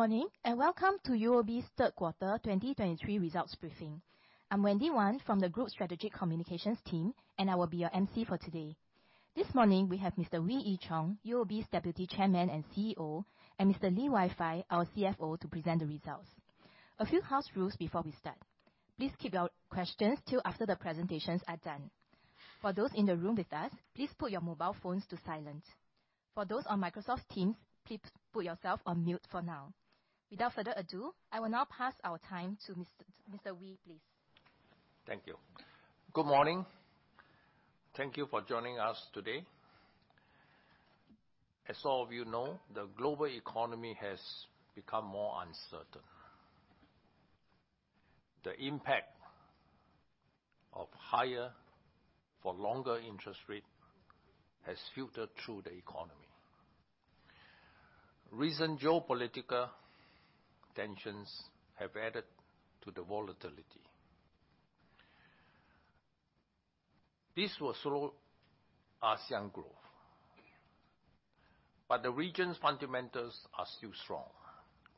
Good morning, and welcome to UOB's third quarter 2023 results briefing. I'm Wendy Wan from the Group Strategic Communications team, and I will be your MC for today. This morning, we have Mr. Wee Ee Cheong, UOB's Deputy Chairman and CEO, and Mr. Lee Wai Fai, our CFO, to present the results. A few house rules before we start. Please keep your questions till after the presentations are done. For those in the room with us, please put your mobile phones to silent. For those on Microsoft Teams, please put yourself on mute for now. Without further ado, I will now pass our time to Mr. Wee, please. Thank you. Good morning. Thank you for joining us today. As all of you know, the global economy has become more uncertain. The impact of higher for longer interest rate has filtered through the economy. Recent geopolitical tensions have added to the volatility. This will slow ASEAN growth, but the region's fundamentals are still strong,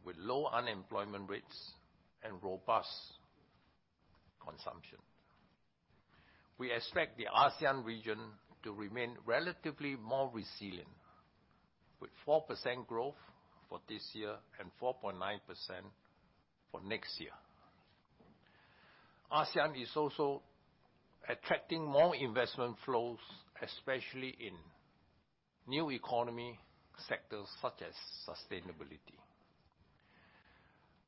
with low unemployment rates and robust consumption. We expect the ASEAN region to remain relatively more resilient, with 4% growth for this year and 4.9% for next year. ASEAN is also attracting more investment flows, especially in new economy sectors such as sustainability.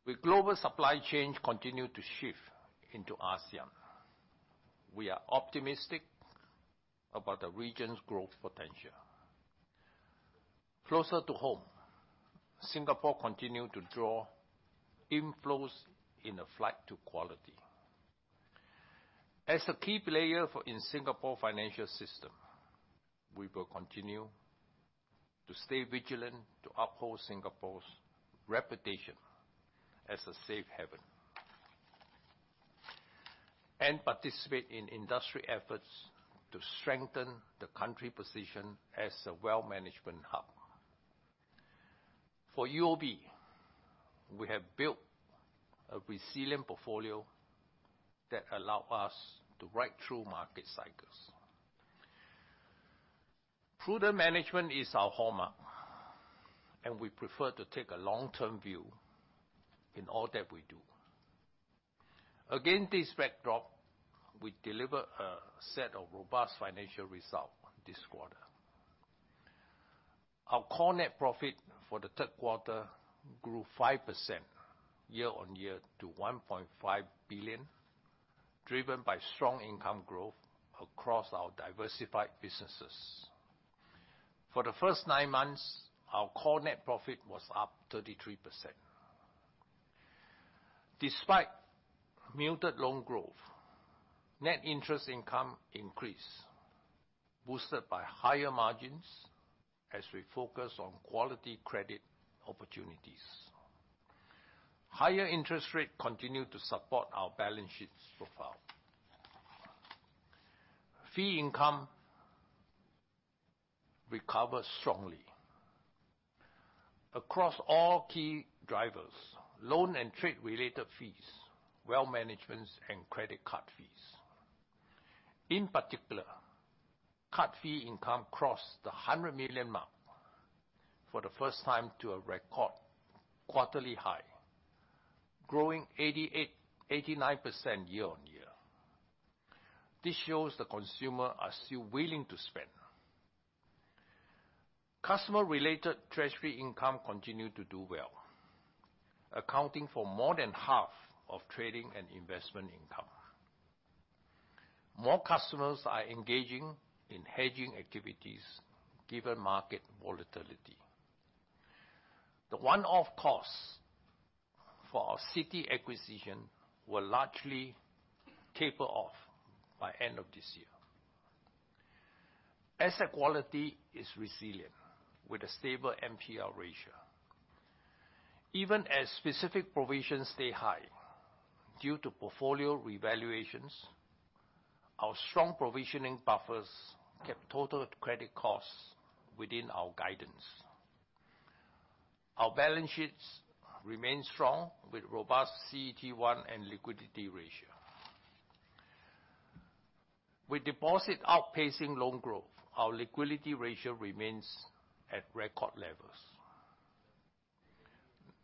With global supply chains continue to shift into ASEAN, we are optimistic about the region's growth potential. Closer to home, Singapore continue to draw inflows in a flight to quality. As a key player in Singapore financial system, we will continue to stay vigilant to uphold Singapore's reputation as a safe haven, and participate in industry efforts to strengthen the country position as a wealth management hub. For UOB, we have built a resilient portfolio that allow us to ride through market cycles. Prudent management is our hallmark, and we prefer to take a long-term view in all that we do. Against this backdrop, we deliver a set of robust financial result this quarter. Our core net profit for the third quarter grew 5% year-on-year to 1.5 billion, driven by strong income growth across our diversified businesses. For the first nine months, our core net profit was up 33%. Despite muted loan growth, net interest income increased, boosted by higher margins as we focus on quality credit opportunities. Higher interest rates continue to support our balance sheet profile. Fee income recovered strongly across all key drivers: loan and trade-related fees, wealth management, and credit card fees. In particular, card fee income crossed the 100 million mark for the first time to a record quarterly high, growing 89% year-on-year. This shows the consumers are still willing to spend. Customer-related treasury income continued to do well, accounting for more than half of trading and investment income. More customers are engaging in hedging activities, given market volatility. The one-off costs for our Citi acquisition will largely taper off by end of this year. Asset quality is resilient, with a stable NPL ratio. Even as specific provisions stay high due to portfolio revaluations, our strong provisioning buffers kept total credit costs within our guidance. Our balance sheet remains strong, with robust CET1 and liquidity ratio. With deposit outpacing loan growth, our liquidity ratio remains at record levels.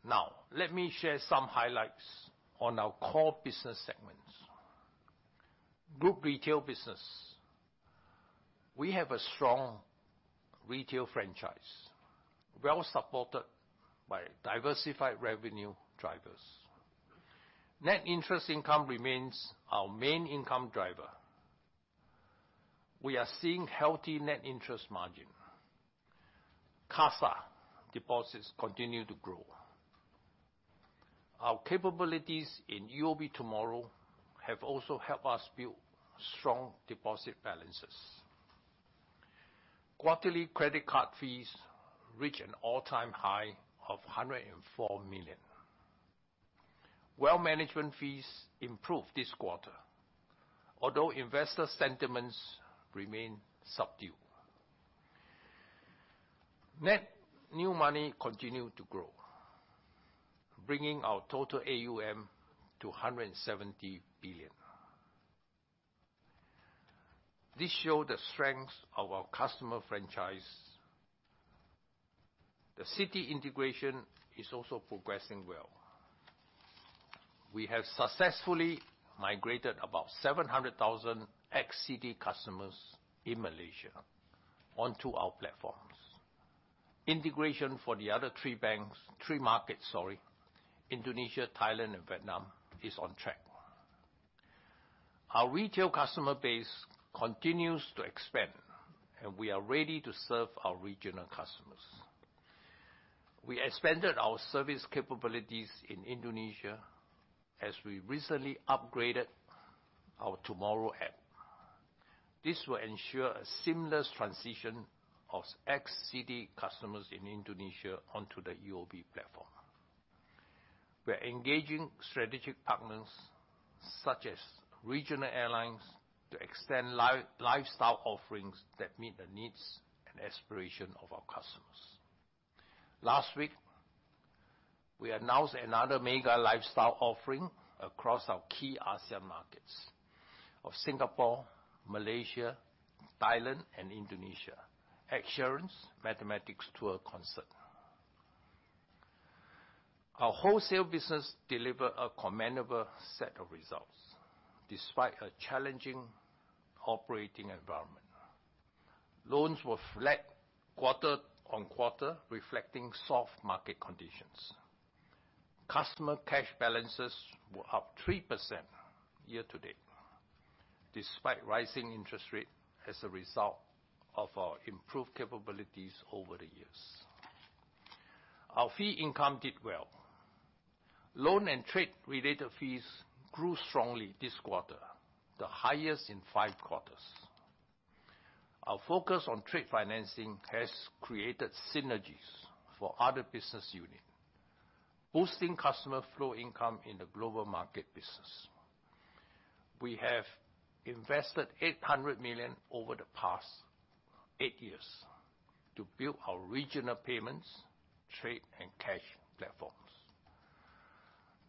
Now, let me share some highlights on our core business segments. Group retail business. We have a strong retail franchise, well supported by diversified revenue drivers. Net interest income remains our main income driver. We are seeing healthy net interest margin. CASA deposits continue to grow. Our capabilities in UOB TMRW have also helped us build strong deposit balances. Quarterly credit card fees reach an all-time high of 104 million. Well, management fees improved this quarter, although investor sentiments remain subdued. Net new money continued to grow, bringing our total AUM to 170 billion. This show the strength of our customer franchise. The Citi integration is also progressing well. We have successfully migrated about 700,000 ex-Citi customers in Malaysia onto our platforms. Integration for the other three banks—three markets, sorry, Indonesia, Thailand, and Vietnam, is on track. Our retail customer base continues to expand, and we are ready to serve our regional customers. We expanded our service capabilities in Indonesia as we recently upgraded our TMRW app. This will ensure a seamless transition of ex-Citi customers in Indonesia onto the UOB platform. We're engaging strategic partners, such as regional airlines, to extend lifestyle offerings that meet the needs and aspiration of our customers. Last week, we announced another mega lifestyle offering across our key ASEAN markets of Singapore, Malaysia, Thailand, and Indonesia, Ed Sheeran's Mathematics Tour concert. Our wholesale business delivered a commendable set of results, despite a challenging operating environment. Loans were flat quarter-on-quarter, reflecting soft market conditions. Customer cash balances were up 3% year to date, despite rising interest rate, as a result of our improved capabilities over the years. Our fee income did well. Loan and trade-related fees grew strongly this quarter, the highest in five quarters. Our focus on trade financing has created synergies for other business unit, boosting customer flow income in the global market business. We have invested 800 million over the past eight years to build our regional payments, trade, and cash platforms.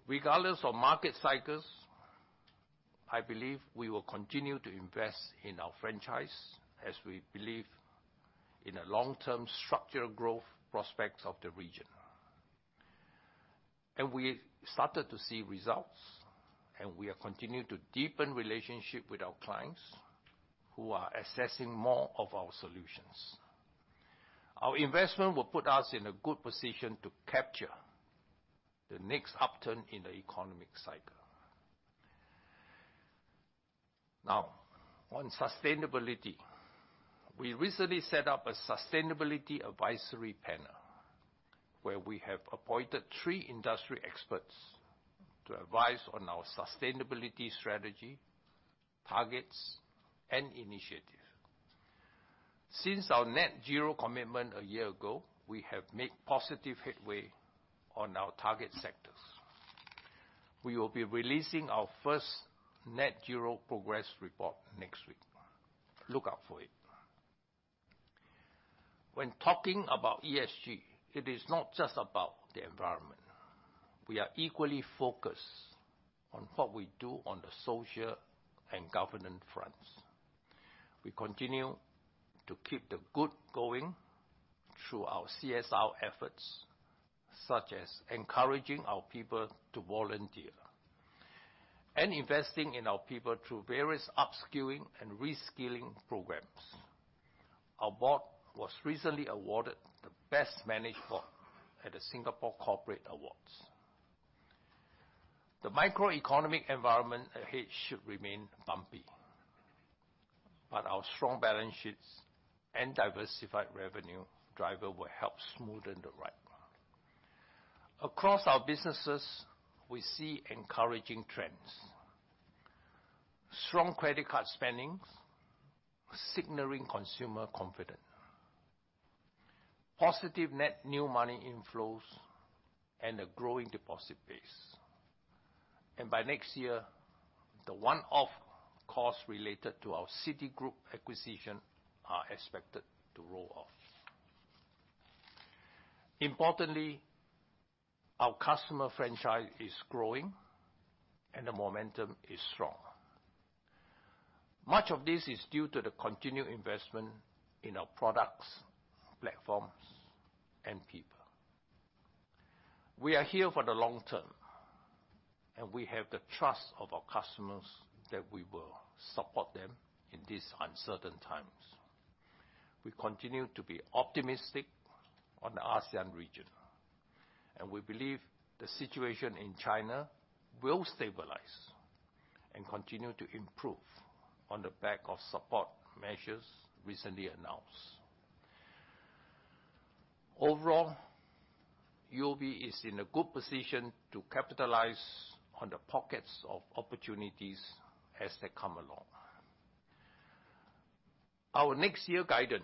Regardless of market cycles, I believe we will continue to invest in our franchise, as we believe in the long-term structural growth prospects of the region. And we've started to see results, and we are continuing to deepen relationship with our clients, who are accessing more of our solutions. Our investment will put us in a good position to capture the next upturn in the economic cycle. Now, on sustainability, we recently set up a sustainability advisory panel, where we have appointed three industry experts to advise on our sustainability strategy, targets, and initiative. Since our net zero commitment a year ago, we have made positive headway on our target sectors. We will be releasing our first net zero progress report next week. Look out for it. When talking about ESG, it is not just about the environment. We are equally focused on what we do on the social and governance fronts. We continue to keep the good going through our CSR efforts, such as encouraging our people to volunteer and investing in our people through various upskilling and reskilling programs. Our board was recently awarded the Best Managed Board at the Singapore Corporate Awards. The macroeconomic environment ahead should remain bumpy, but our strong balance sheets and diversified revenue driver will help smoothen the ride. Across our businesses, we see encouraging trends, strong credit card spendings, signaling consumer confidence, positive net new money inflows, and a growing deposit base. By next year, the one-off costs related to our Citigroup acquisition are expected to roll off. Importantly, our customer franchise is growing, and the momentum is strong. Much of this is due to the continued investment in our products, platforms, and people. We are here for the long term, and we have the trust of our customers that we will support them in these uncertain times. We continue to be optimistic on the ASEAN region, and we believe the situation in China will stabilize and continue to improve on the back of support measures recently announced. Overall, UOB is in a good position to capitalize on the pockets of opportunities as they come along. Our next year guidance,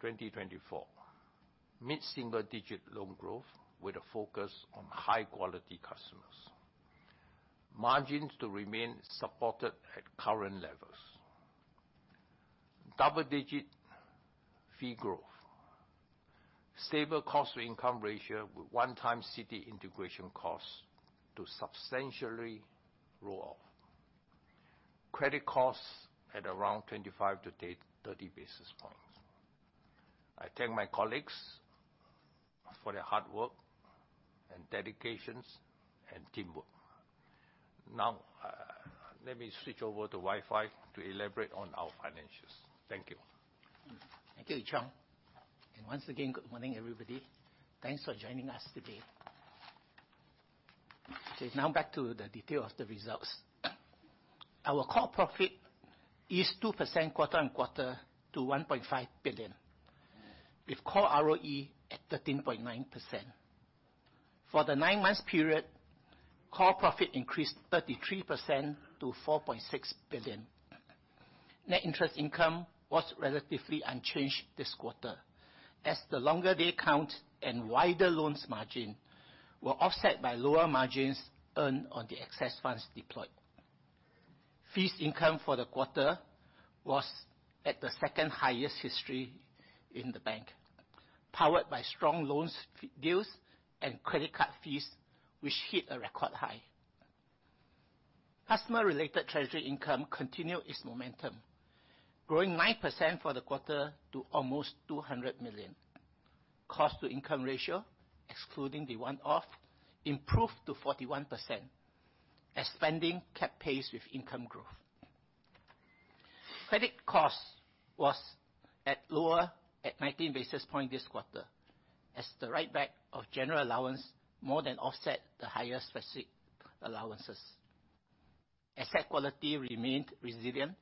2024, mid-single-digit loan growth with a focus on high-quality customers. Margins to remain supported at current levels. Double-digit fee growth, stable cost-to-income ratio, with one-time Citi integration costs to substantially roll off. Credit costs at around 25 to 30 basis points. I thank my colleagues for their hard work and dedications and teamwork. Now, let me switch over to Wai Fai to elaborate on our financials. Thank you. Thank you, Cheong. Once again, good morning, everybody. Thanks for joining us today. Okay, now back to the detail of the results. Our core profit is 2% quarter-on-quarter to 1.5 billion, with core ROE at 13.9%. For the nine months period, core profit increased 33% to 4.6 billion. Net interest income was relatively unchanged this quarter, as the longer day count and wider loans margin were offset by lower margins earned on the excess funds deployed. Fees income for the quarter was at the second-highest history in the bank, powered by strong loans, fee deals, and credit card fees, which hit a record high. Customer-related treasury income continued its momentum, growing 9% for the quarter to almost 200 million. Cost-to-income ratio, excluding the one-off, improved to 41%, as spending kept pace with income growth. Credit cost was at lower, at 19 basis points this quarter, as the write-back of general allowance more than offset the higher specific allowances. Asset quality remained resilient,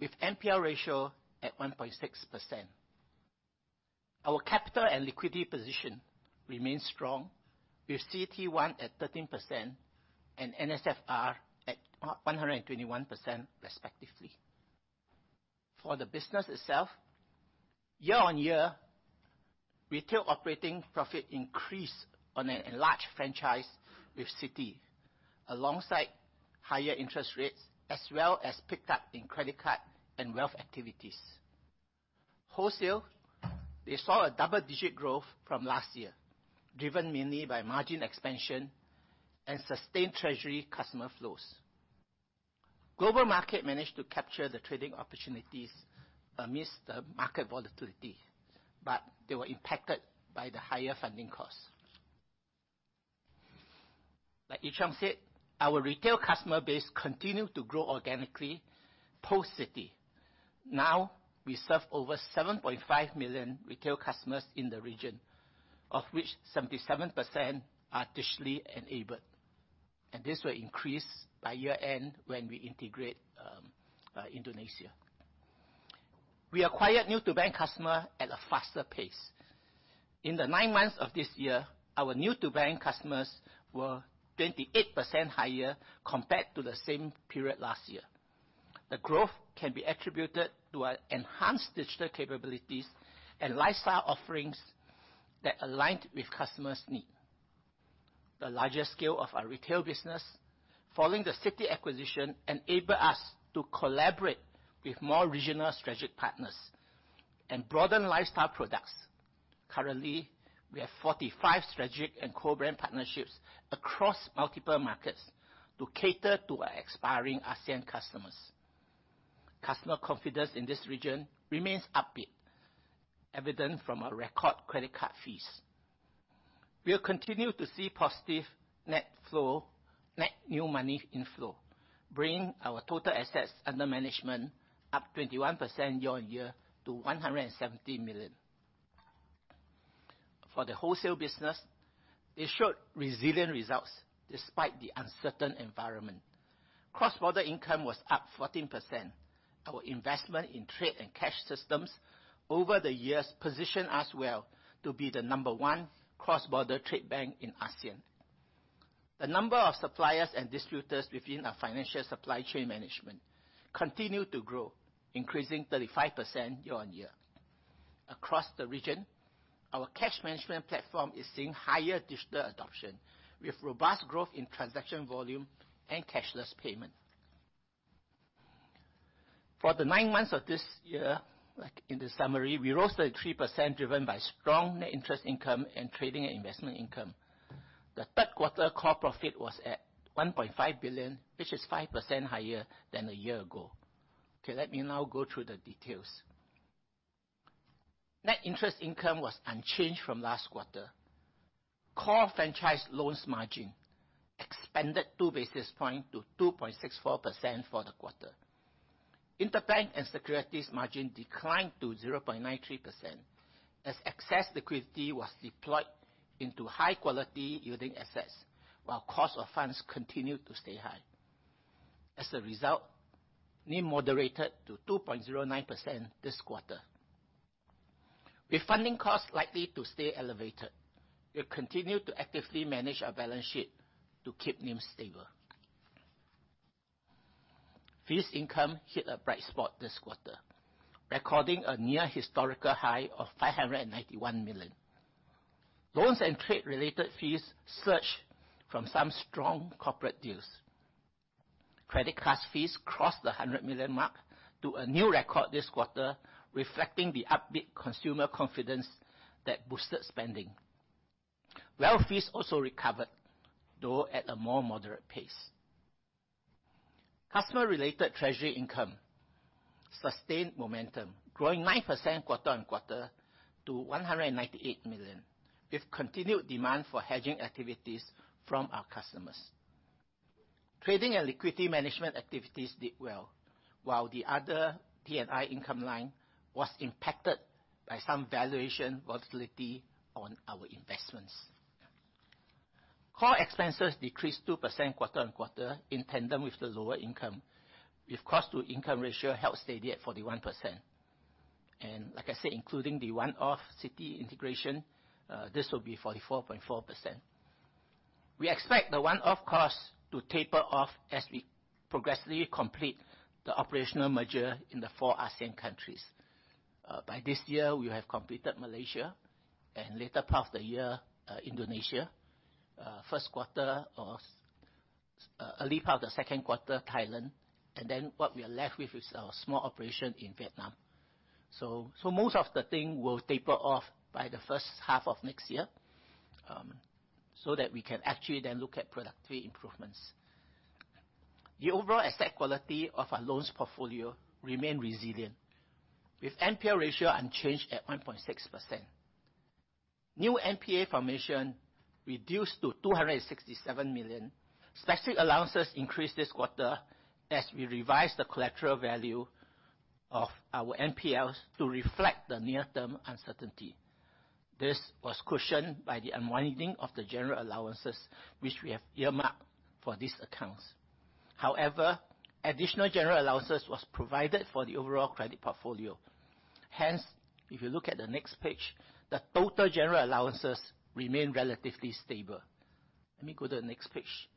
with NPL ratio at 1.6%. Our capital and liquidity position remains strong, with CET1 at 13% and NSFR at over 121%, respectively. For the business itself, year-on-year, retail operating profit increased on an enlarged franchise with Citi, alongside higher interest rates, as well as picked up in credit card and wealth activities. Wholesale, we saw a double-digit growth from last year, driven mainly by margin expansion and sustained treasury customer flows. Global market managed to capture the trading opportunities amidst the market volatility, but they were impacted by the higher funding costs. Like Cheong said, our retail customer base continued to grow organically post-Citi. Now, we serve over 7.5 million retail customers in the region, of which 77% are digitally enabled, and this will increase by year-end when we integrate Indonesia. We acquired new-to-bank customer at a faster pace. In the nine months of this year, our new-to-bank customers were 28% higher compared to the same period last year. The growth can be attributed to our enhanced digital capabilities and lifestyle offerings that aligned with customers' need. The larger scale of our retail business, following the Citi acquisition, enable us to collaborate with more regional strategic partners and broaden lifestyle products. Currently, we have 45 strategic and co-brand partnerships across multiple markets to cater to our aspiring ASEAN customers. Customer confidence in this region remains upbeat, evident from our record credit card fees. We'll continue to see positive net flow, net new money inflow, bringing our total assets under management up 21% year-on-year to SGD 170 million. For the wholesale business, it showed resilient results despite the uncertain environment. Cross-border income was up 14%. Our investment in trade and cash systems over the years positioned us well to be the number one cross-border trade bank in ASEAN. The number of suppliers and distributors within our financial supply chain management continued to grow, increasing 35% year-on-year. Across the region, our cash management platform is seeing higher digital adoption, with robust growth in transaction volume and cashless payment. For the nine months of this year, like in the summary, we rose 13%, driven by strong net interest income and trading and investment income. The third quarter core profit was at 1.5 billion, which is 5% higher than a year ago. Okay, let me now go through the details. Net interest income was unchanged from last quarter. Core franchise loans margin expanded two basis points to 2.64% for the quarter. Interbank and securities margin declined to 0.93%, as excess liquidity was deployed into high-quality yielding assets, while cost of funds continued to stay high. As a result, NIM moderated to 2.09% this quarter. With funding costs likely to stay elevated, we continue to actively manage our balance sheet to keep NIM stable. Fees income hit a bright spot this quarter, recording a near historical high of 591 million. Loans and trade-related fees surged from some strong corporate deals. Credit card fees crossed the $100 million mark to a new record this quarter, reflecting the upbeat consumer confidence that boosted spending. Well, fees also recovered, though at a more moderate pace. Customer-related treasury income sustained momentum, growing 9% quarter-over-quarter to 198 million, with continued demand for hedging activities from our customers. Trading and liquidity management activities did well, while the other D&I income line was impacted by some valuation volatility on our investments. Core expenses decreased 2% quarter-over-quarter, in tandem with the lower income, with cost-to-income ratio held steady at 41%. And like I said, including the one-off Citi integration, this will be 44.4%. We expect the one-off costs to taper off as we progressively complete the operational merger in the four ASEAN countries. By this year, we have completed Malaysia, and later part of the year, Indonesia. First quarter of early part of the second quarter, Thailand, and then what we are left with is our small operation in Vietnam. So, most of the thing will taper off by the first half of next year, so that we can actually then look at productivity improvements. The overall asset quality of our loans portfolio remain resilient, with NPA ratio unchanged at 1.6%. New NPA formation reduced to 267 million. Specific allowances increased this quarter as we revised the collateral value of our NPLs to reflect the near-term uncertainty. This was cushioned by the unwinding of the general allowances, which we have earmarked for these accounts. However, additional general allowances was provided for the overall credit portfolio. Hence, if you look at the next page, the total general allowances remain relatively stable. Let me go to the next page.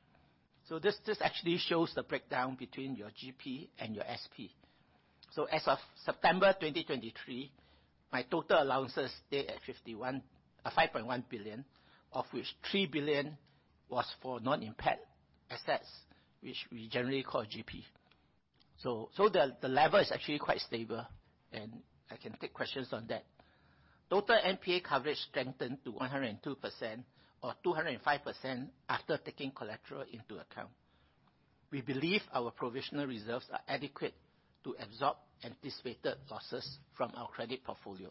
So this, this actually shows the breakdown between your GP and your SP. So as of September 2023, my total allowances stay at 5.1 billion, of which 3 billion was for non-impaired assets, which we generally call GP. So, so the, the level is actually quite stable, and I can take questions on that. Total NPA coverage strengthened to 102%, or 205% after taking collateral into account. We believe our provisional reserves are adequate to absorb anticipated losses from our credit portfolio.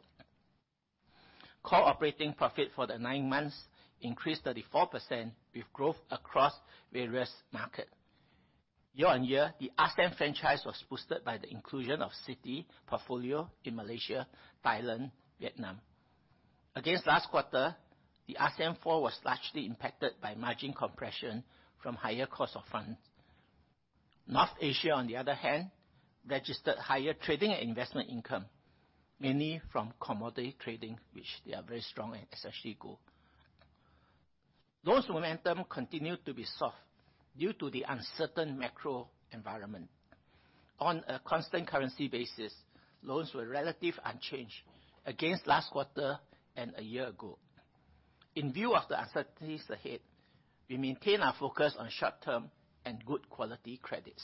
Core operating profit for the nine months increased 34%, with growth across various market. Year-on-year, the ASEAN franchise was boosted by the inclusion of Citi portfolio in Malaysia, Thailand, Vietnam. Against last quarter, the ASEAN four was largely impacted by margin compression from higher cost of funds. North Asia, on the other hand, registered higher trading and investment income, mainly from commodity trading, which they are very strong in, especially gold. Loans momentum continued to be soft due to the uncertain macro environment. On a constant currency basis, loans were relatively unchanged against last quarter and a year ago. In view of the uncertainties ahead, we maintain our focus on short-term and good quality credits.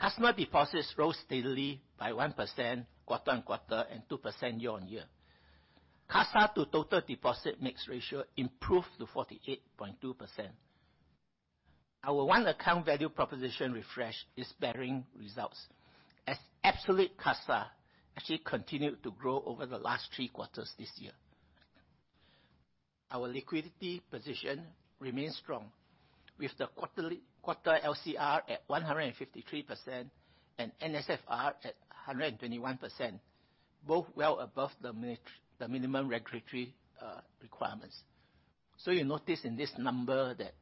Customer deposits rose steadily by 1% quarter-on-quarter and 2% year-on-year. CASA to total deposit mix ratio improved to 48.2%. Our One Account value proposition refresh is bearing results, as absolute CASA actually continued to grow over the last 3 quarters this year. Our liquidity position remains strong, with the quarterly LCR at 153% and NSFR at 121%, both well above the minimum regulatory requirements. So you notice in this number that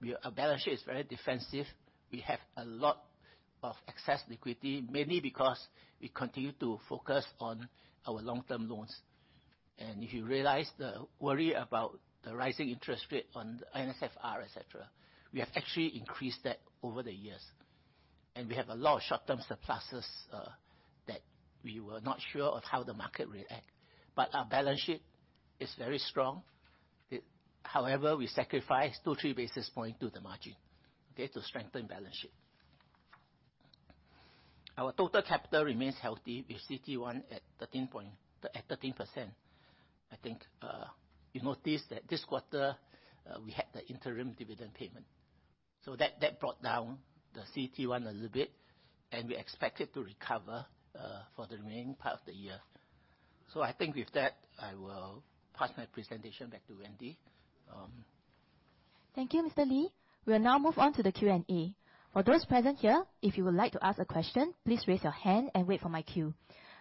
we, our balance sheet is very defensive. We have a lot of excess liquidity, mainly because we continue to focus on our long-term loans. And if you realize the worry about the rising interest rate on NSFR, et cetera, we have actually increased that over the years, and we have a lot of short-term surpluses that we were not sure of how the market will act. But our balance sheet is very strong. However, we sacrifice 2-3 basis points to the margin, okay? To strengthen balance sheet. Our total capital remains healthy, with CET1 at 13%. I think, you noticed that this quarter, we had the interim dividend payment, so that brought down the CET1 a little bit, and we expect it to recover, for the remaining part of the year. So I think with that, I will pass my presentation back to Wendy. Thank you, Mr. Lee. We will now move on to the Q&A. For those present here, if you would like to ask a question, please raise your hand and wait for my cue.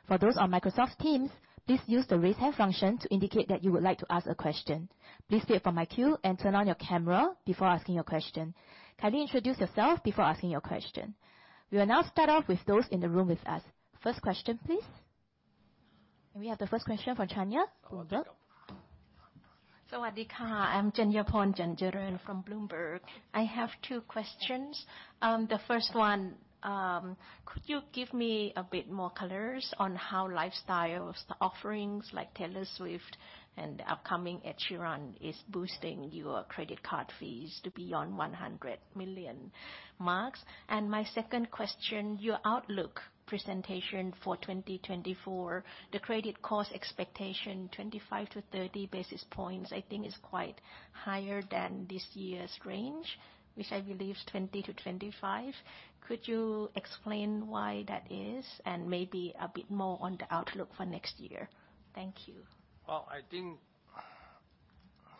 For those on Microsoft Teams, please use the Raise Hand function to indicate that you would like to ask a question. Please wait for my cue and turn on your camera before asking your question. Kindly introduce yourself before asking your question. We will now start off with those in the room with us. First question, please. And we have the first question from Chanya from Bloomberg.... Sawadika, I'm Chanyaporn Chanjaroen from Bloomberg. I have two questions. The first one, could you give me a bit more colors on how lifestyle of the offerings like Taylor Swift and upcoming Ed Sheeran is boosting your credit card fees to beyond 100 million mark? And my second question, your outlook presentation for 2024, the credit cost expectation 25-30 basis points, I think is quite higher than this year's range, which I believe is 20-25. Could you explain why that is, and maybe a bit more on the outlook for next year? Thank you. Well, I think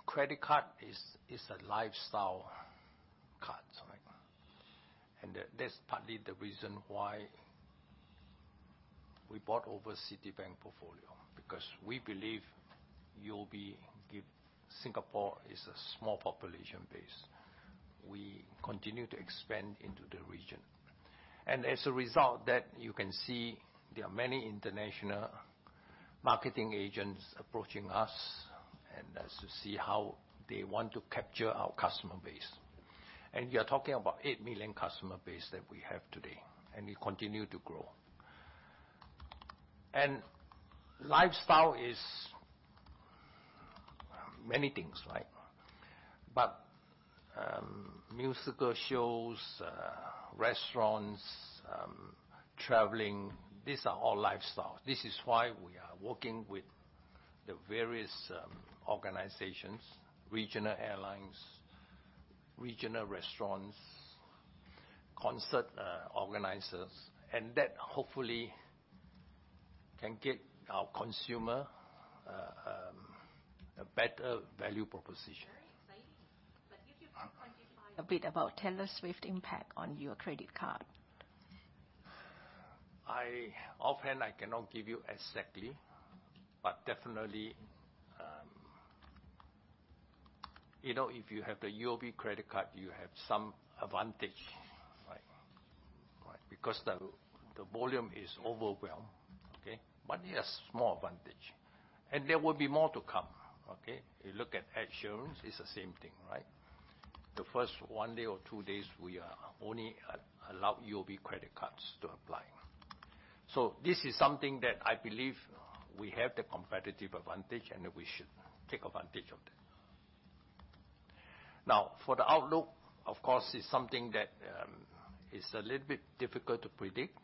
credit card is a lifestyle card, right? And that's partly the reason why we bought over Citibank portfolio, because we believe UOB Singapore is a small population base. We continue to expand into the region, and as a result that you can see there are many international marketing agents approaching us, and to see how they want to capture our customer base. And we are talking about 8 million customer base that we have today, and it continue to grow. And lifestyle is many things, right? But musical shows, restaurants, traveling, these are all lifestyle. This is why we are working with the various organizations, regional airlines, regional restaurants, concert organizers, and that hopefully can get our consumer a better value proposition. Very exciting, but if you could quantify a bit about Taylor Swift impact on your credit card? Offhand, I cannot give you exactly, but definitely, you know, if you have the UOB credit card, you have some advantage, right? Right. Because the volume is overwhelmed. Okay, but yes, small advantage. And there will be more to come, okay? You look at Ed Sheeran, it's the same thing, right? The first one day or two days, we are only allow UOB credit cards to apply. So this is something that I believe we have the competitive advantage and we should take advantage of that. Now, for the outlook, of course, is something that is a little bit difficult to predict,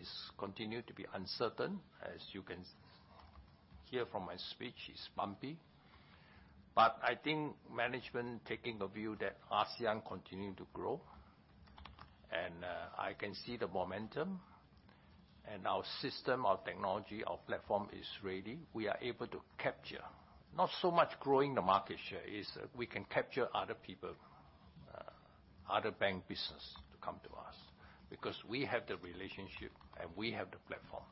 is continue to be uncertain as you can hear from my speech, is bumpy. But I think management taking the view that ASEAN continue to grow, and I can see the momentum and our system, our technology, our platform is ready. We are able to capture, not so much growing the market share, is we can capture other people, other bank business to come to us, because we have the relationship and we have the platform.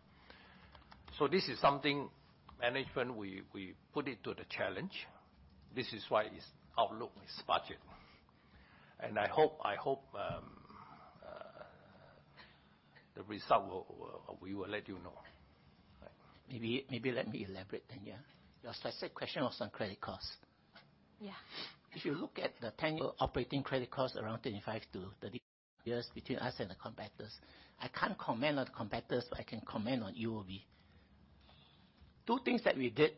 So this is something management, we put it to the challenge. This is why it's outlook is budget. And I hope the result will. We will let you know. Maybe, maybe let me elaborate, Chanyaporn. Your specific question was on credit costs. Yeah. If you look at the ten-year operating credit costs, around 25-30 years between us and the competitors, I can't comment on the competitors, but I can comment on UOB. Two things that we did,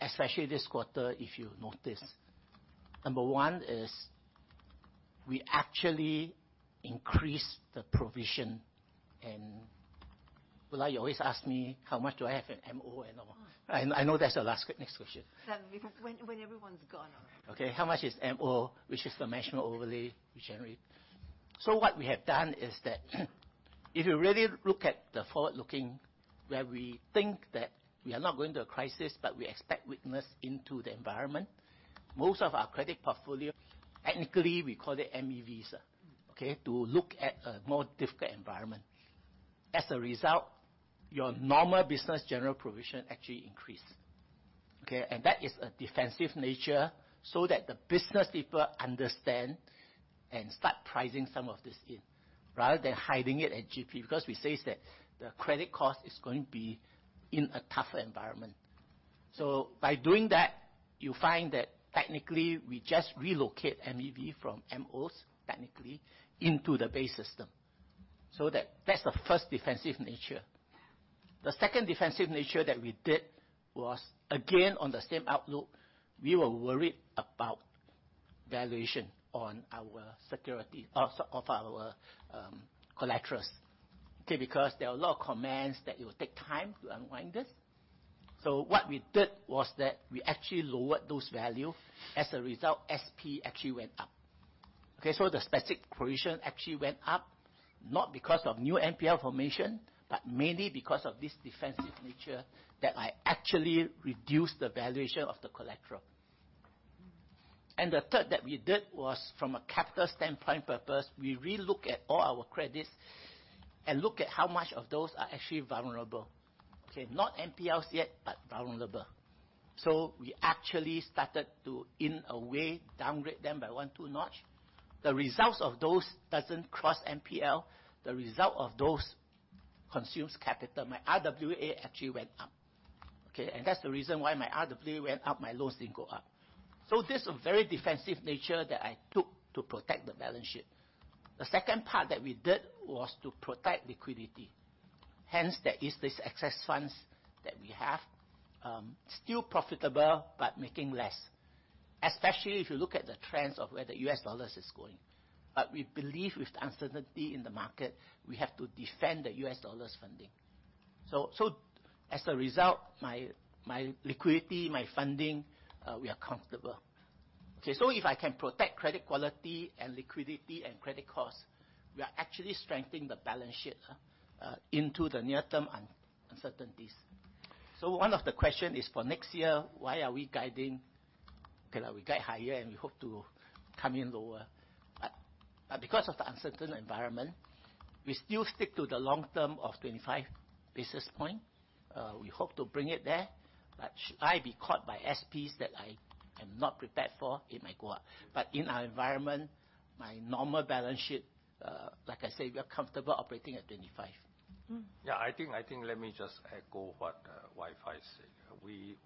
especially this quarter, if you notice. Number 1 is, we actually increased the provision. Well, you always ask me, how much do I have an MO and all? Mm. I know that's the last next question. Because when everyone's gone. Okay, how much is MO? Which is the management overlay we generate. So what we have done is that, if you really look at the forward-looking, where we think that we are not going to a crisis, but we expect weakness into the environment, most of our credit portfolio, technically we call it MEV, okay? To look at a more difficult environment. As a result, your normal business general provision actually increased, okay? And that is a defensive nature, so that the business people understand and start pricing some of this in, rather than hiding it at GP, because we say that the credit cost is going to be in a tougher environment. So by doing that, you find that technically we just relocate MEV from MOs, technically, into the base system. So that, that's the first defensive nature. Yeah. The second defensive nature that we did was, again, on the same outlook, we were worried about valuation on our security of our collaterals. Okay, because there are a lot of comments that it will take time to unwind this. So what we did was that we actually lowered those values. As a result, SP actually went up. Okay? So the specific provision actually went up, not because of new NPL formation, but mainly because of this defensive nature, that I actually reduced the valuation of the collateral. Mm. And the third that we did was from a capital standpoint purpose, we relook at all our credits and look at how much of those are actually vulnerable. Okay, not NPLs yet, but vulnerable. So we actually started to, in a way, downgrade them by one, two notch. The results of those doesn't cross NPL. The result of those consumes capital. My RWA actually went up, okay? And that's the reason why my RWA went up, my loans didn't go up. So this a very defensive nature that I took to protect the balance sheet. The second part that we did was to protect liquidity. Hence, there is this excess funds that we have, still profitable, but making less, especially if you look at the trends of where the US dollars is going. But we believe with the uncertainty in the market, we have to defend the US dollar funding. So, so as a result, my, my liquidity, my funding, we are comfortable. Okay, so if I can protect credit quality and liquidity and credit costs, we are actually strengthening the balance sheet into the near term uncertainties. So one of the question is, for next year, why are we guiding? Okay, now we guide higher and we hope to come in lower. But, but because of the uncertain environment, we still stick to the long term of 25 basis points. We hope to bring it there, but should I be caught by SPs that I am not prepared for, it might go up. But in our environment, my normal balance sheet, like I said, we are comfortable operating at 25. Mm-hmm. Yeah, I think, I think let me just echo what Wai Fai said. We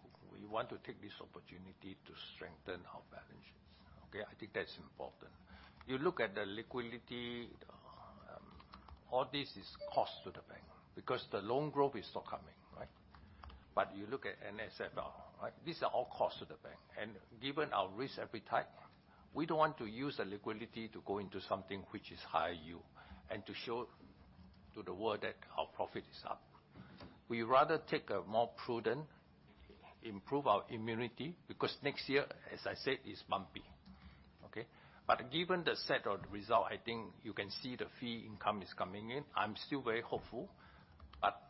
want to take this opportunity to strengthen our balance sheets, okay? I think that's important. You look at the liquidity, all this is cost to the bank, because the loan growth is still coming, right? But you look at NPL, right? These are all costs to the bank, and given our risk appetite, we don't want to use the liquidity to go into something which is higher yield and to show to the world that our profit is up. We rather take a more prudent, improve our immunity, because next year, as I said, is bumpy, okay? But given the set of the result, I think you can see the fee income is coming in. I'm still very hopeful, but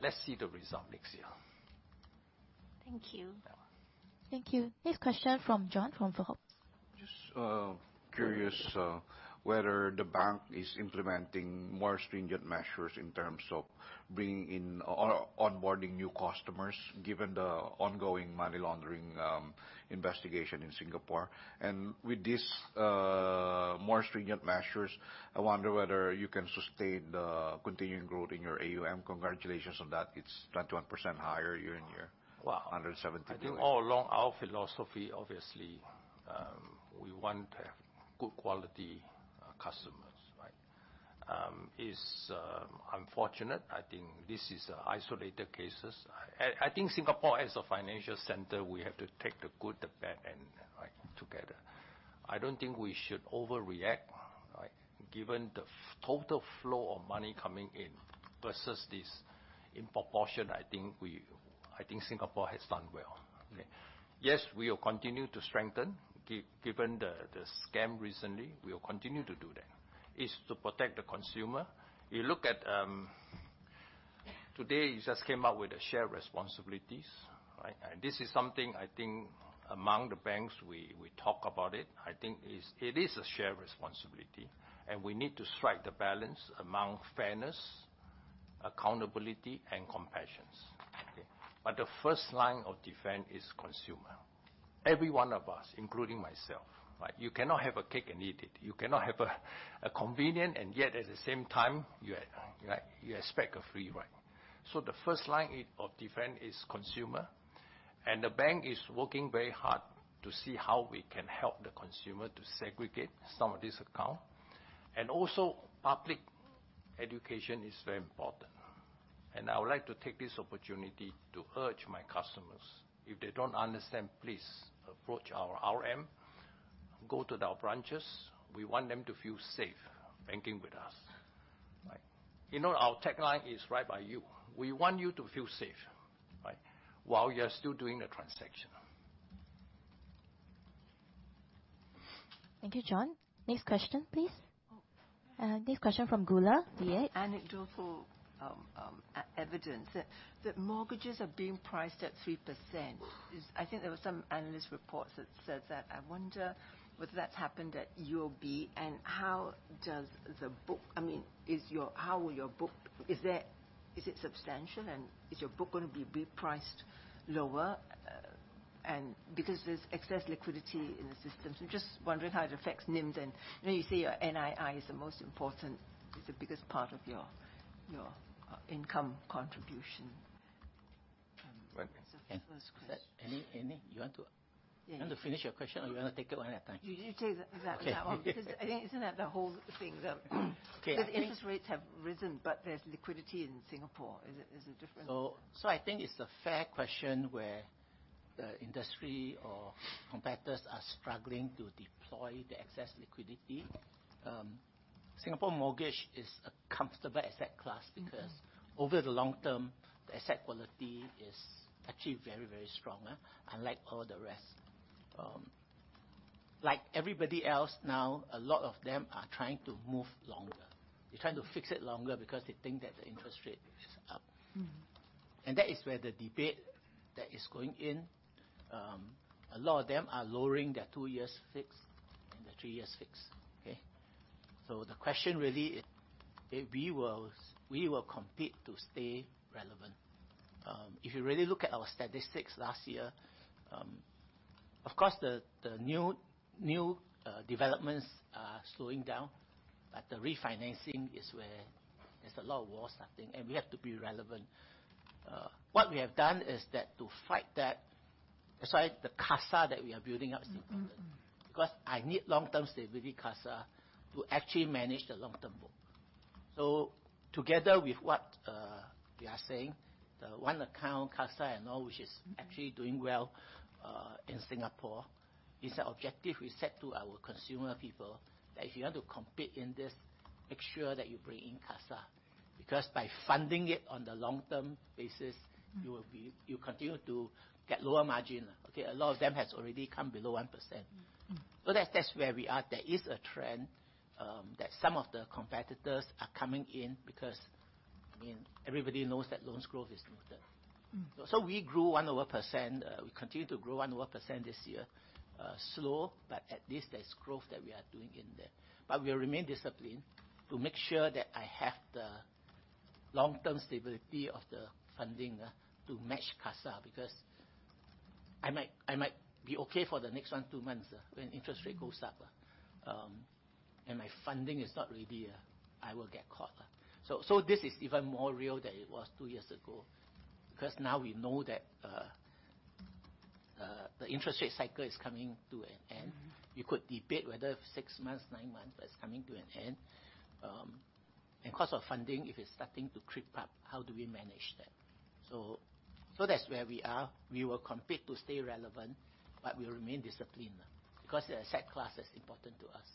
let's see the result next year. Thank you. Yeah. Thank you. Next question from John, from Forbes. Just curious whether the bank is implementing more stringent measures in terms of bringing in or onboarding new customers, given the ongoing money laundering investigation in Singapore. And with this more stringent measures, I wonder whether you can sustain the continuing growth in your AUM. Congratulations on that. It's 21% higher year-on-year. Wow! SGD 170 million. I think all along our philosophy, obviously, we want to have good quality, customers, right? It's unfortunate. I think this is isolated cases. I think Singapore, as a financial center, we have to take the good, the bad, and, right, together. I don't think we should overreact, right? Given the total flow of money coming in versus this, in proportion, I think we, I think Singapore has done well, okay. Yes, we will continue to strengthen, given the scam recently, we will continue to do that. It's to protect the consumer. You look at, today, you just came out with a shared responsibilities, right? And this is something I think among the banks, we, we talk about it. I think it is a shared responsibility, and we need to strike the balance among fairness, accountability, and compassions, okay? But the first line of defense is consumer. Every one of us, including myself, right? You cannot have a cake and eat it. You cannot have a convenient, and yet, at the same time, you are, right, you expect a free ride. So the first line of defense is consumer, and the bank is working very hard to see how we can help the consumer to segregate some of this account. And also, public education is very important. And I would like to take this opportunity to urge my customers, if they don't understand, please approach our RM, go to our branches. We want them to feel safe banking with us, right? You know, our tagline is: Right by you. We want you to feel safe, right? While you are still doing the transaction. Thank you, John. Next question, please. Oh. Next question from Goola [Viet]. Anecdotal evidence that mortgages are being priced at 3%. I think there were some analyst reports that said that. I wonder whether that's happened at UOB, and how does the book... I mean, is your book... Is it substantial, and is your book going to be repriced lower? And because there's excess liquidity in the system, so just wondering how it affects NIM, then when you say your NII is the most important, it's the biggest part of your income contribution. Right. First question- Any, any, you want to- Yeah. You want to finish your question, or you want to take it one at a time? You take that, that one- Okay. Because I think, isn't that the whole thing, though? Okay. The interest rates have risen, but there's liquidity in Singapore. Is it, is it different? So, I think it's a fair question, where the industry or competitors are struggling to deploy the excess liquidity. Singapore mortgage is a comfortable asset class- Mm-hmm. because over the long term, the asset quality is actually very, very strong, unlike all the rest. Like everybody else, now, a lot of them are trying to move longer. They're trying to fix it longer because they think that the interest rate is up. Mm-hmm. That is where the debate that is going in. A lot of them are lowering their 2-year fixed and the 3-year fixed, okay? So the question really is, okay, we will compete to stay relevant. If you really look at our statistics last year. Of course, the new developments are slowing down, but the refinancing is where there's a lot of war starting, and we have to be relevant. What we have done is that to fight that, that's why the CASA that we are building up is important. Mm-hmm. Because I need long-term stability CASA to actually manage the long-term book. So together with what we are saying, the One Account, CASA and all, which is- Mm Actually doing well in Singapore is the objective we set to our consumer people, that if you want to compete in this, make sure that you bring in CASA. Because by funding it on the long-term basis- Mm You continue to get lower margin, okay? A lot of them has already come below 1%. Mm. So that's, that's where we are. There is a trend, that some of the competitors are coming in, because, I mean, everybody knows that loans growth is muted. Mm. So we grew 1% over. We continue to grow 1% over this year. Slow, but at least there's growth that we are doing in there. But we remain disciplined to make sure that I have the long-term stability of the funding, to match CASA. Because I might, I might be okay for the next one, two months, when interest rate goes up, and my funding is not ready, I will get caught up. So, so this is even more real than it was two years ago, because now we know that, the interest rate cycle is coming to an end. Mm-hmm. You could debate whether six months, nine months, but it's coming to an end. And cost of funding, if it's starting to creep up, how do we manage that? So that's where we are. We will compete to stay relevant, but we remain disciplined, because the asset class is important to us.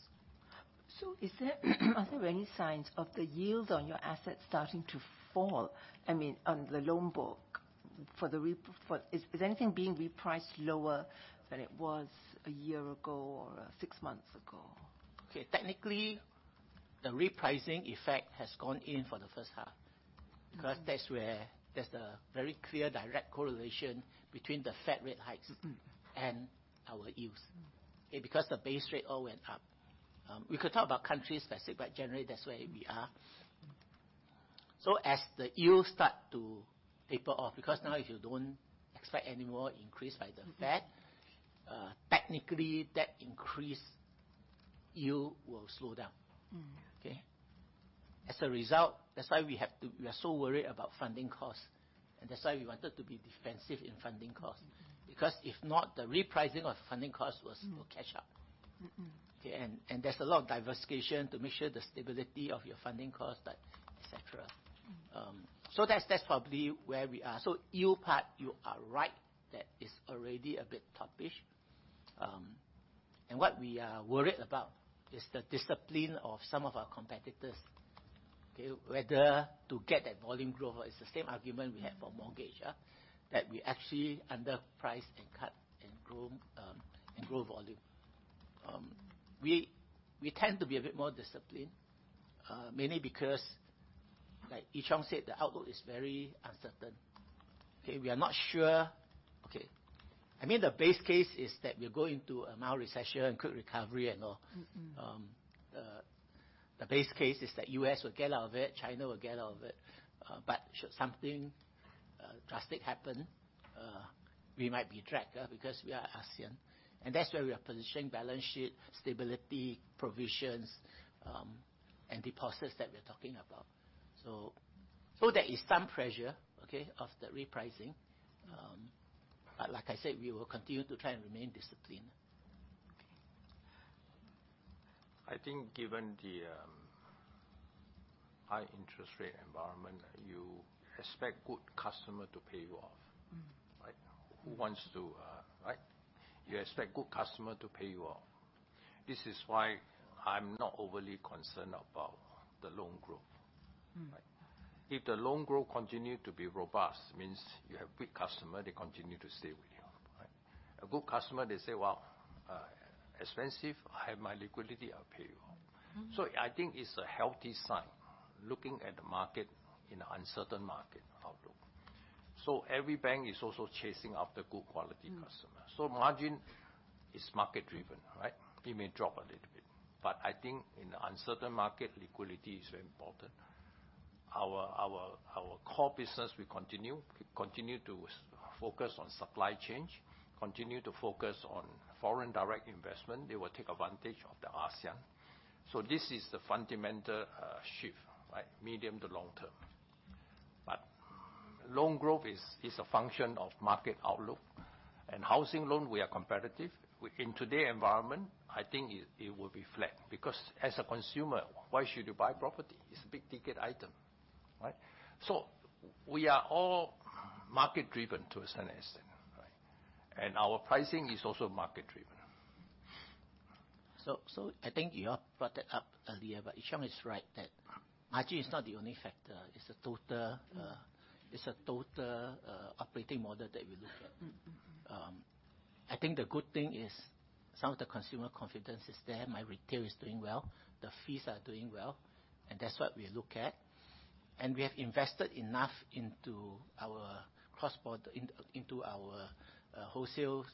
So is there, are there any signs of the yield on your assets starting to fall? I mean, on the loan book. Is anything being repriced lower than it was a year ago or six months ago? Okay. Technically, the repricing effect has gone in for the first half. Mm. Because that's where there's a very clear, direct correlation between the Fed rate hikes- Mm-hmm and our yields. Mm. Okay, because the base rate all went up. We could talk about country specific, but generally that's where we are. So as the yields start to taper off, because now if you don't expect any more increase by the Fed- Mm... technically, that increase yield will slow down. Mm. Okay? As a result, that's why we are so worried about funding costs, and that's why we wanted to be defensive in funding costs. Mm. Because if not, the repricing of funding costs will- Mm will catch up. Mm-hmm. Okay, and, and there's a lot of diversification to make sure the stability of your funding costs, et cetera. Mm. So that's, that's probably where we are. So yield part, you are right, that is already a bit toppish. And what we are worried about is the discipline of some of our competitors, okay? Whether to get that volume growth. It's the same argument we had for mortgage, that we actually underprice and cut and grow, and grow volume. We, we tend to be a bit more disciplined, mainly because, like Wee Ee Cheong said, the outlook is very uncertain. Okay, we are not sure... Okay, I mean, the base case is that we are going to a mild recession and quick recovery and all. Mm-hmm. The base case is that U.S. will get out of it, China will get out of it, but should something drastic happen, we might be dragged because we are ASEAN. And that's where we are positioning balance sheet stability, provisions, and deposits that we're talking about. So there is some pressure, okay, of the repricing. But like I said, we will continue to try and remain disciplined. Okay. I think given the high interest rate environment, you expect good customer to pay you off. Mm. Right? Who wants to, Right? You expect good customer to pay you off. This is why I'm not overly concerned about the loan growth. Mm. Right? If the loan growth continue to be robust, means you have good customer, they continue to stay with you, right? A good customer, they say, "Well, expensive, I have my liquidity, I'll pay you off. Mm-hmm. I think it's a healthy sign, looking at the market in an uncertain market outlook. Every bank is also chasing after good quality customers. Mm. So margin is market driven, right? It may drop a little bit, but I think in an uncertain market, liquidity is very important. Our core business, we continue to focus on supply chain, continue to focus on foreign direct investment. They will take advantage of the ASEAN. So this is the fundamental shift, right? Medium to long term. But loan growth is a function of market outlook. And housing loan, we are competitive. In today's environment, I think it will be flat, because as a consumer, why should you buy property? It's a big-ticket item, right? So we are all market driven to a certain extent, right? And our pricing is also market driven. So, so I think you all brought that up earlier, but Wee Ee Cheong is right, that margin is not the only factor. It's a total- Mm ... it's a total, operating model that we look at. Mm-hmm. I think the good thing is some of the consumer confidence is there. My retail is doing well, the fees are doing well, and that's what we look at. And we have invested enough into our cross-border, into our wholesale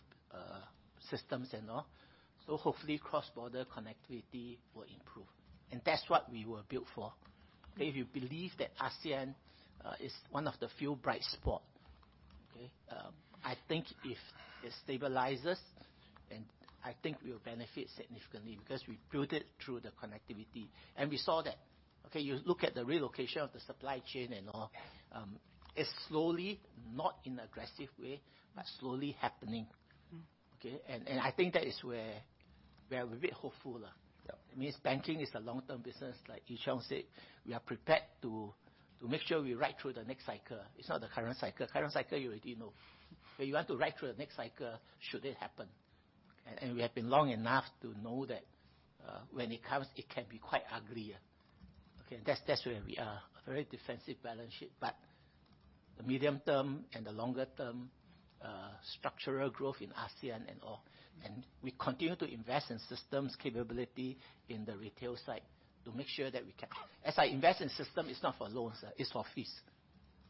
systems and all. So hopefully, cross-border connectivity will improve. And that's what we were built for.... If you believe that ASEAN is one of the few bright spot, okay? I think if it stabilizes, and I think we'll benefit significantly because we built it through the connectivity, and we saw that. Okay, you look at the relocation of the supply chain and all, it's slowly, not in an aggressive way, but slowly happening. Mm. Okay, and I think that is where we are a bit hopeful. Yep. It means banking is a long-term business, like Wee Ee Cheong said, we are prepared to make sure we ride through the next cycle. It's not the current cycle. Current cycle, you already know. But you want to ride through the next cycle, should it happen? Okay. And we have been long enough to know that, when it comes, it can be quite ugly, yeah. Okay, that's where we are, a very defensive balance sheet. But the medium-term and the longer-term, structural growth in ASEAN and all, and we continue to invest in systems capability in the retail side to make sure that we can-- As I invest in system, it's not for loans, it's for fees.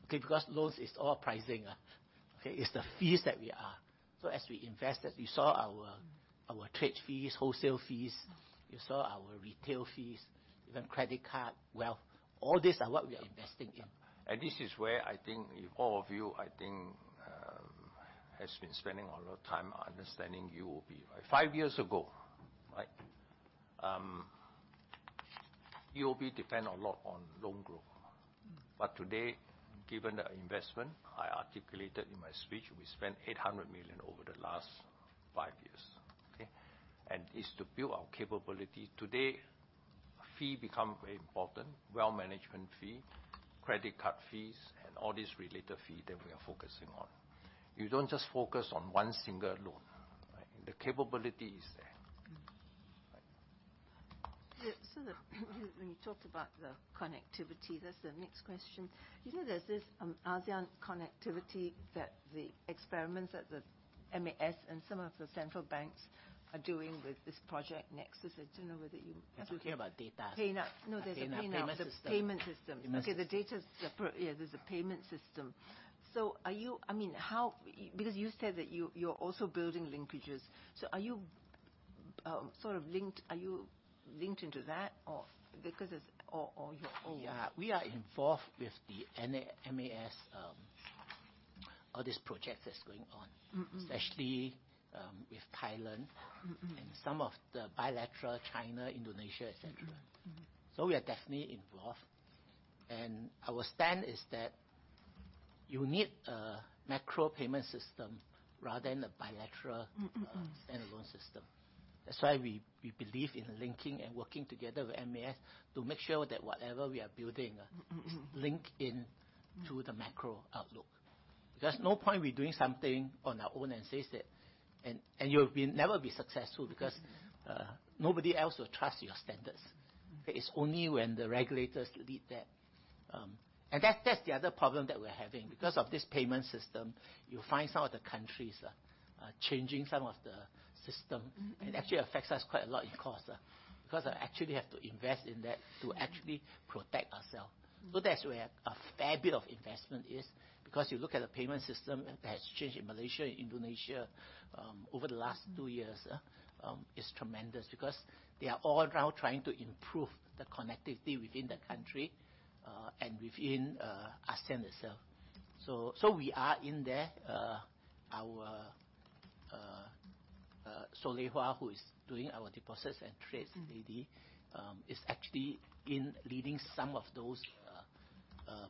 Okay, because loans is all pricing, okay? It's the fees that we are... So as we invest, as you saw our trade fees, wholesale fees, you saw our retail fees, even credit card, wealth, all these are what we are investing in. This is where I think if all of you, I think, has been spending a lot of time understanding UOB. Five years ago, right, UOB depend a lot on loan growth. Mm. But today, given the investment, I articulated in my speech, we spent 800 million over the last five years, okay? It's to build our capability. Today, fee become very important, wealth management fee, credit card fees, and all these related fee that we are focusing on. You don't just focus on one single loan, right? The capability is there. Mm. Right. Yeah, so when you talked about the connectivity, that's the next question. You know, there's this ASEAN connectivity that the experiments that the MAS and some of the central banks are doing with this Project Nexus. I don't know whether you have- We're talking about data. Paying up. Data. No, there's a pay up- Payment system. The payment system. Payment system. Okay, the data is separate. Yeah, there's a payment system. So are you—I mean, how? Because you said that you, you're also building linkages, so are you sort of linked, are you linked into that? Or because it's, or, or you're, or- Yeah, we are involved with the MAS, all these projects that's going on. Mm-hmm. Especially with Thailand. Mm-hmm. Some of the bilateral, China, Indonesia, et cetera. Mm-hmm. Mm-hmm. So we are definitely involved, and our stand is that you need a macro payment system rather than a bilateral- Mm-hmm... standalone system. That's why we believe in linking and working together with MAS to make sure that whatever we are building- Mm-hmm... link in to the macro outlook. There's no point we're doing something on our own and says that, and you'll never be successful because- Mm... nobody else will trust your standards. Mm. It's only when the regulators lead that. And that, that's the other problem that we're having. Because of this payment system, you find some of the countries changing some of the system. Mm-hmm. It actually affects us quite a lot in cost, because I actually have to invest in that- Mm... to actually protect ourselves. Mm. So that's where a fair bit of investment is, because you look at the payment system that has changed in Malaysia and Indonesia over the last two years is tremendous because they are all now trying to improve the connectivity within the country and within ASEAN itself. So we are in there. Our wholesale, who is doing our deposits and trades- Mm... indeed, is actually in leading some of those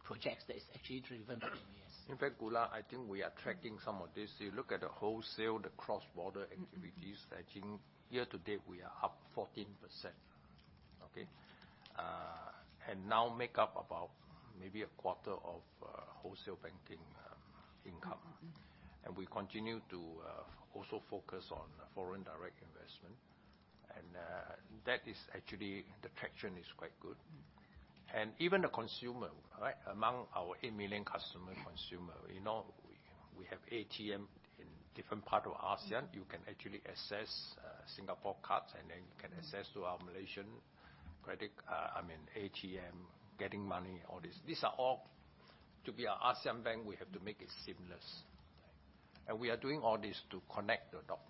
projects that is actually driven by MAS. In fact, Goola, I think we are tracking some of this. You look at the wholesale, the cross-border activities- Mm... I think year-to-date, we are up 14%. Okay? And now make up about maybe a quarter of wholesale banking income. Mm-hmm. We continue to also focus on foreign direct investment, and that is actually the traction is quite good. Mm. Even the consumer, right? Among our 8 million customer, consumer, you know, we have ATM in different part of ASEAN. Mm-hmm. You can actually access Singapore cards, and then you can access- Mm... through our Malaysian credit, I mean, ATM, getting money, all this. These are all, to be an ASEAN bank, we have to make it seamless, and we are doing all this to connect the dot.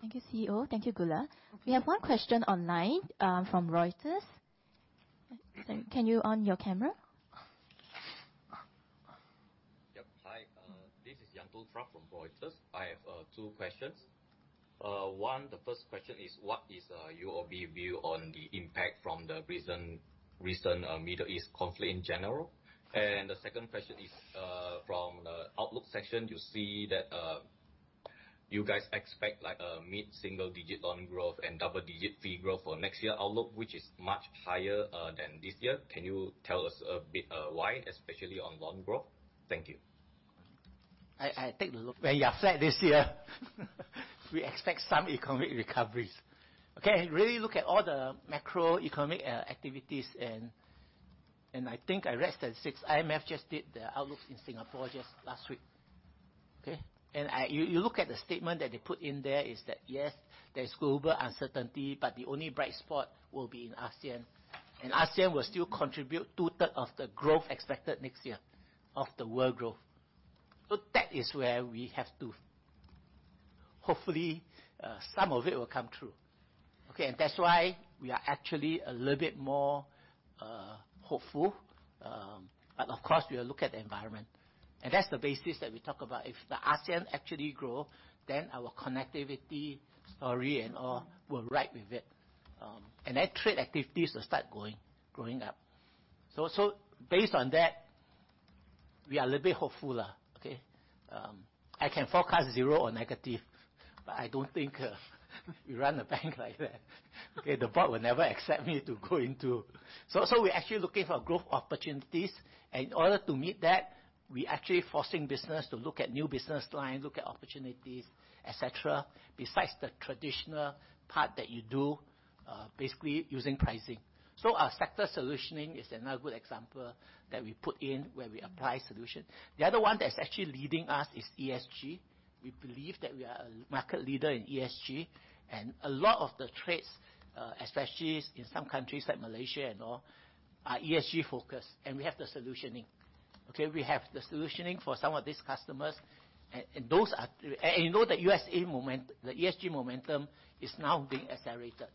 Thank you, CEO. Thank you, Goola. Okay. We have one question online, from Reuters. Can you on your camera? Yep. Hi, this is Yantoultra from Reuters. I have two questions. One, the first question is, what is UOB view on the impact from the recent Middle East conflict in general? Yes. The second question is, from the outlook section. You see that, you guys expect like a mid-single digit loan growth and double-digit fee growth for next year outlook, which is much higher, than this year. Can you tell us a bit, why, especially on loan growth? Thank you. I take the look. When you are flat this year, we expect some economic recoveries. Okay, really look at all the macroeconomic activities, and I think I rest at six. IMF just did the outlook in Singapore just last week, okay? And you look at the statement that they put in there, is that yes, there is global uncertainty, but the only bright spot will be in ASEAN. And ASEAN will still contribute two-thirds of the growth expected next year, of the world growth. So that is where we have to hopefully some of it will come true. Okay, and that's why we are actually a little bit more hopeful. But of course, we will look at the environment, and that's the basis that we talk about. If the ASEAN actually grow, then our connectivity story and all will ride with it, and then trade activities will start going, growing up. So based on that, we are a little bit hopeful, okay? I can forecast zero or negative, but I don't think we run a bank like that. Okay, the board will never accept me to go into... So we're actually looking for growth opportunities, and in order to meet that, we're actually forcing business to look at new business line, look at opportunities, et cetera, besides the traditional part that you do, basically using pricing. So our sector solutioning is another good example that we put in where we apply solution. The other one that's actually leading us is ESG. We believe that we are a market leader in ESG, and a lot of the trades, especially in some countries like Malaysia and all, are ESG-focused, and we have the solutioning. Okay, we have the solutioning for some of these customers, and those are. And you know, the ESG momentum is now being accelerated.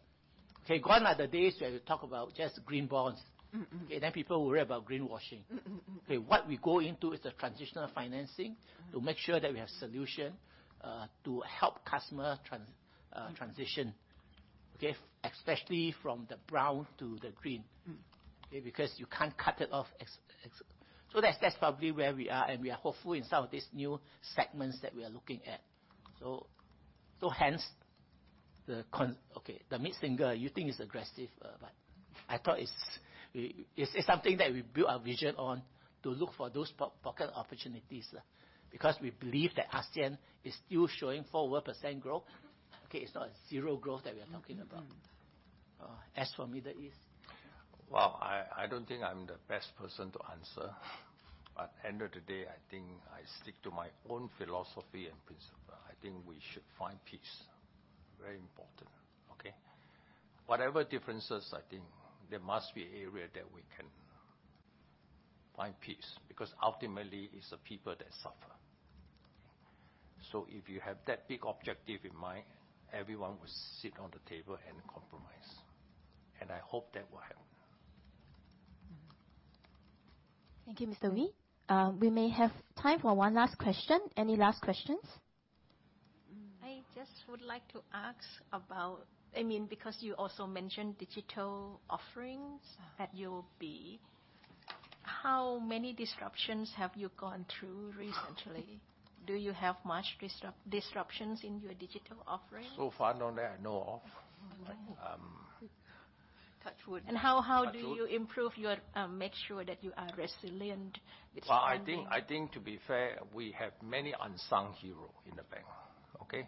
Okay, gone are the days where you talk about just green bonds. Mm-hmm. Okay, then people worry about greenwashing. Mm-hmm. Okay, what we go into is the transitional financing- Mm. To make sure that we have solution to help customer transition, okay? Especially from the brown to the green. Mm. Okay, because you can't cut it off. So that's, that's probably where we are, and we are hopeful in some of these new segments that we are looking at. Okay, the mid-single, you think it's aggressive, but I thought it's, it's something that we build our vision on to look for those pocket opportunities, because we believe that ASEAN is still showing 4% or over growth. Okay, it's not 0 growth that we are talking about. Mm-hmm. As for Middle East? Well, I, I don't think I'm the best person to answer, but end of the day, I think I stick to my own philosophy and principle. I think we should find peace. Very important, okay? Whatever differences, I think there must be area that we can find peace, because ultimately, it's the people that suffer. So if you have that big objective in mind, everyone will sit on the table and compromise, and I hope that will happen. Mm-hmm. Thank you, Mr. Wee. We may have time for one last question. Any last questions? Mm. I just would like to ask about... I mean, because you also mentioned digital offerings that you'll be, how many disruptions have you gone through recently? Do you have much disruptions in your digital offerings? So far, none that I know of. Touch wood. How do you improve your, make sure that you are resilient with trending? Well, I think, I think, to be fair, we have many unsung hero in the bank, okay?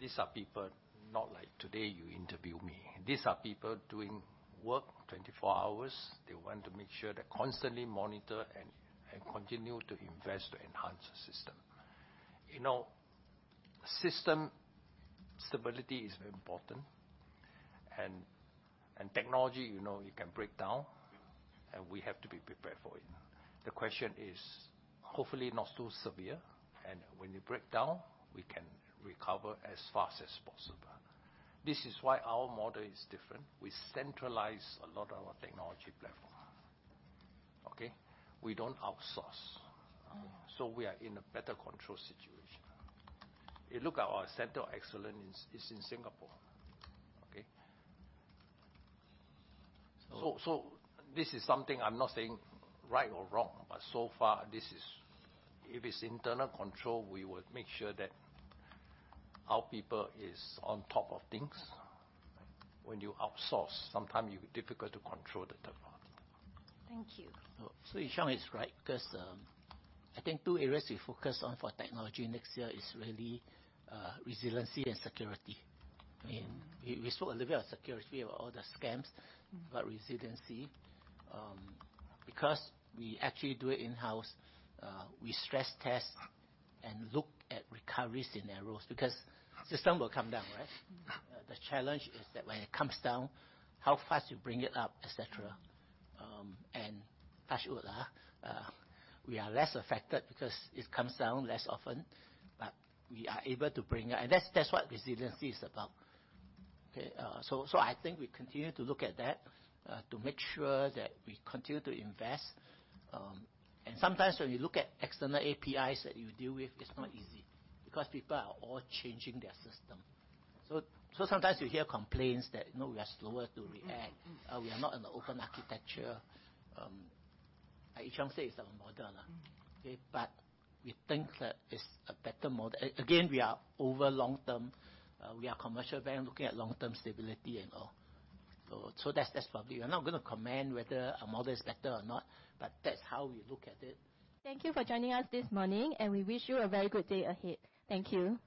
These are people, not like today you interview me, these are people doing work 24 hours. They want to make sure they constantly monitor and, and continue to invest to enhance the system. You know, system stability is very important, and, and technology, you know, it can break down, and we have to be prepared for it. The question is, hopefully not so severe, and when you break down, we can recover as fast as possible. This is why our model is different. We centralize a lot of our technology platform, okay? We don't outsource. Mm. We are in a better control situation. You look at our center of excellence is in Singapore, okay? So- So, this is something I'm not saying right or wrong, but so far, this is... If it's internal control, we would make sure that our people is on top of things. Mm-hmm. When you outsource, sometimes it's difficult to control the temperament. Thank you. So Wee Ee Cheong is right, because, I think two areas we focus on for technology next year is really, resiliency and security. I mean, we, we saw a little bit of security with all the scams- Mm. But resiliency, because we actually do it in-house, we stress test and look at recovery scenarios, because system will come down, right? Mm. The challenge is that when it comes down, how fast you bring it up, et cetera. And touch wood, we are less affected because it comes down less often, but we are able to bring it... And that's what resiliency is about, okay? So I think we continue to look at that, to make sure that we continue to invest. And sometimes when you look at external APIs that you deal with, it's not easy, because people are all changing their system. So sometimes you hear complaints that, you know, we are slower to react. Mm-hmm. We are not in the open architecture. Like Wee Ee Cheong say, it's our model. Mm. Okay? But we think that it's a better model. Again, we are over long term. We are commercial bank, looking at long-term stability and all. So that's probably... We're not gonna comment whether our model is better or not, but that's how we look at it. Thank you for joining us this morning, and we wish you a very good day ahead. Thank you.